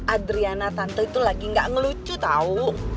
adeliana tante itu lagi gak ngelucu tau